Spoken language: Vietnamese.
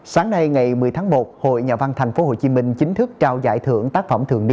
sáng nay ngày một mươi tháng một hội nhà văn thành phố hồ chí minh chính thức trao giải thưởng tác phẩm thượng đại